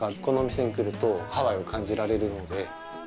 このお店に来るとハワイを感じられるので。